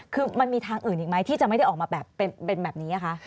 คือมันมีทางอื่นอีกไหมที่จะไม่ได้ออกมาแบบเป็นแบบนี้ค่ะ